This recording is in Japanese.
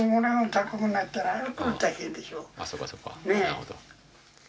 なるほど。